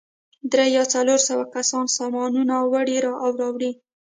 درې یا څلور سوه کسان سامانونه وړي او راوړي.